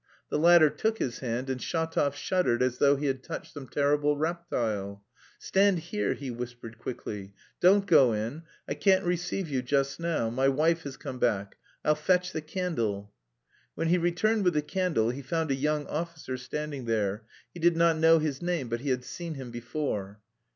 The latter took his hand, and Shatov shuddered as though he had touched some terrible reptile. "Stand here," he whispered quickly. "Don't go in, I can't receive you just now. My wife has come back. I'll fetch the candle." When he returned with the candle he found a young officer standing there; he did not know his name but he had seen him before.